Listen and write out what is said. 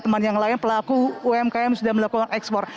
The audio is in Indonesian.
teman teman yang layak pelaku umkm sudah melakukan ekspor